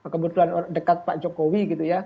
kebetulan dekat pak jokowi